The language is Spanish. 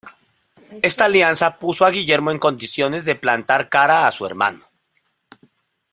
Esta alianza puso a Guillermo en condiciones de plantar cara a su hermano.